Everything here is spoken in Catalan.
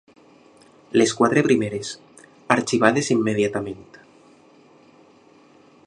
Les quatre primeres, arxivades immediatament.